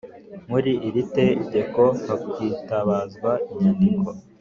Muri iri tegeko hakwitabazwa inyandiko